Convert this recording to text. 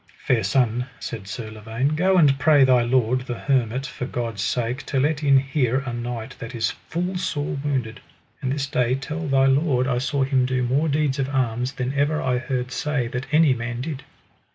Fair son, said Sir Lavaine, go and pray thy lord, the hermit, for God's sake to let in here a knight that is full sore wounded; and this day tell thy lord I saw him do more deeds of arms than ever I heard say that any man did.